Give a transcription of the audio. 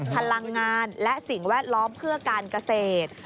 พลังงานและสิ่งแวดล้อมเพื่อการเกษตร